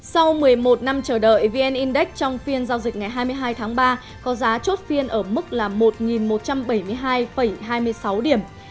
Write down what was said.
sau một mươi một năm chờ đợi vn index trong phiên giao dịch ngày hai mươi hai tháng ba có giá chốt phiên ở mức một một trăm bảy mươi hai hai mươi sáu điểm